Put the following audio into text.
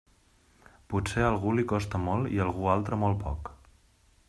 Potser a algú li costa molt i a algú altre molt poc.